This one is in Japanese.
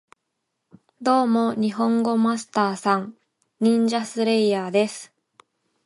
ドーモ、ニホンゴマスター＝サン！ニンジャスレイヤーです